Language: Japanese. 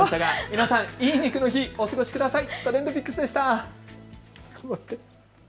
皆さんいい肉の日をお過ごしください。